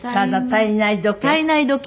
体内時計？